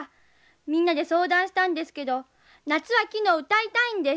みんなで相談したんですけど「夏は来ぬ」を歌いたいんです。